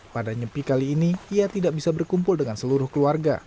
pada nyepi kali ini ia tidak bisa berkumpul dengan seluruh keluarga